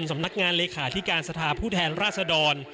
สำนักงานเลขาธิการสภาพผู้แทนราชดร